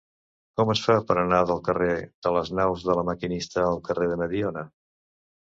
Com es fa per anar del carrer de les Naus de La Maquinista al carrer de Mediona?